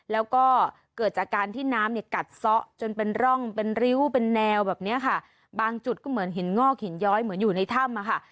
แล้วก็เกิดจากการที่น้ำเนี่ยกัดซะจนเป็นร่องเป็นริ้วเป็นแนวแบบเนี้ยค่ะบางจุดก็เหมือนหินงอกหินย้อยเหมือนอยู่ในถ้ำอะค่ะ